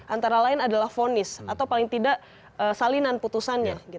antara lain adalah fonis atau paling tidak salinan putusannya